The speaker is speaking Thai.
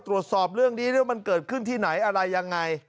ตรวจสอบเรื่องนี้ว่ามันเกิดขึ้นที่ไหนอะไรยังไง